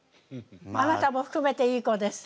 あなたもふくめていい子です。